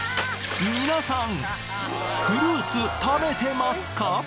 皆さんフルーツ食べてますか？